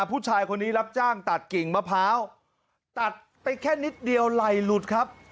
ผู้ชายคนนี้รับจ้างตัดกิ่งมะพร้าวตัดไปแค่นิดเดียวไหล่หลุดครับ